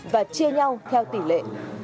và chia nhau theo tỷ lệ